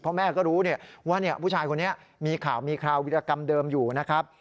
เพราะแม่ก็รู้ว่าผู้ชายคนนี้มีข่าวมีคราววิรากรรมเดิมอยู่นะครับ